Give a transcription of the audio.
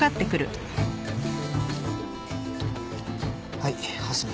はい蓮見。